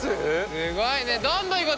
すごいね！